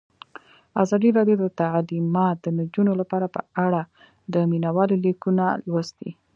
ازادي راډیو د تعلیمات د نجونو لپاره په اړه د مینه والو لیکونه لوستي.